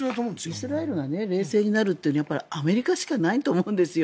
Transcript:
イスラエルが冷静になるってアメリカしかないと思うんです。